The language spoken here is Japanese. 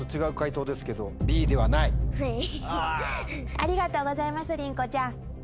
ありがとうございますりんこちゃん。